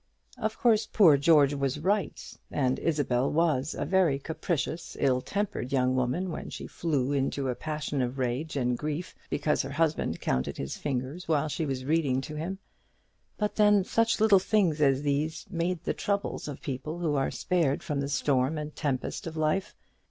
Of course poor George was right, and Isabel was a very capricious, ill tempered young woman when she flew into a passion of rage and grief because her husband counted his fingers while she was reading to him. But then such little things as these make the troubles of people who are spared from the storm and tempest of life.